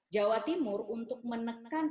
jawa timur untuk menekan